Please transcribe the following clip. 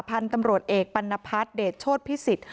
พันธุ์ตำรวจเอกปัณฑัตเดชโชธพิสิต